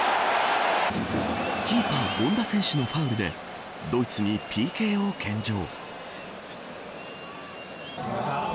キーパー権田選手のファウルでドイツにＰＫを献上。